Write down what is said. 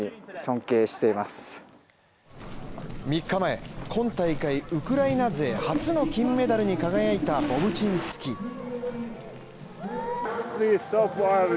３日前、今大会、ウクライナ勢初の金メダルに輝いたボブチンスキー。